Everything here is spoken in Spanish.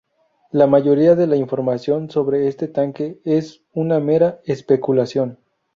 La mayoría de la información sobre este tanque es una mera especulación.